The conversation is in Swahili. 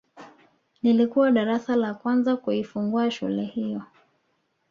Lilikuwa darasa la kwanza kuifungua shule hiyo